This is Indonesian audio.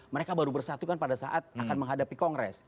mereka baru bersatu kan pada saat akan menghadapi kongres